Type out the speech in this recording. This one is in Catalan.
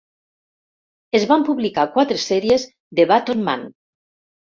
Es van publicar quatre sèries de "Button Man".